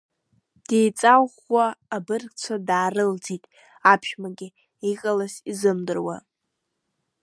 Деиҵаӷәӷәа абыргцәа даарылҵит аԥшәмагьы, иҟалаз изымдыруа.